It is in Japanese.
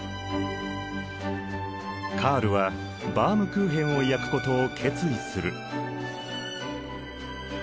カールはバウムクーヘンを焼くことを決意する。